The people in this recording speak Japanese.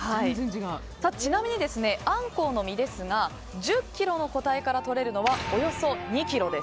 ちなみにアンコウの身ですが１０ｋｇの個体から取れるのはおよそ２ｋｇです。